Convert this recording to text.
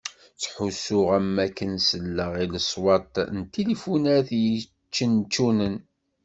Ttḥussuɣ am wakken selleɣ i leṣwat n tilifunat i yeččenčunen.